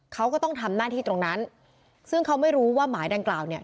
เขาก็ต้องทำหน้าที่ตรงนั้นซึ่งเขาไม่รู้ว่าหมายดังกล่าวเนี่ย